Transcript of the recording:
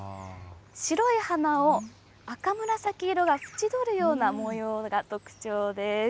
白い花を赤紫色が縁取るような模様が特徴です。